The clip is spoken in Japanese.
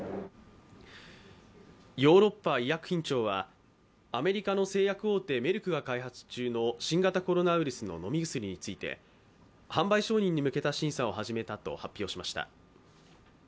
ヨーロッパ医薬品庁はアメリカの製薬大手メルクが開発中の新型コロナウイルスの飲み薬について販売承認に向けた審査を始めたと発表しました。